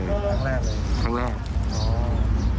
ครั้งแรกเลยครับครั้งแรก